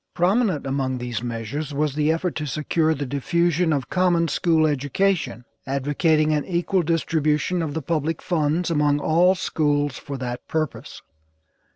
Prominent among these measures was the effort to secure the diffusion of common school education, advocating an equal distribution of the public funds among all schools for that purpose.